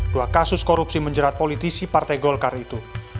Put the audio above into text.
dua kasus korupsi menjerat politisi partai golkar itu